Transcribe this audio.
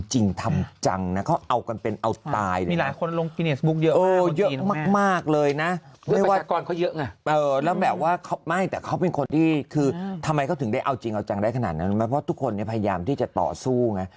จริงเอาจังได้ขนาดนั้นไหมเพราะว่าทุกคนเนี่ยพยายามที่จะต่อสู้ไง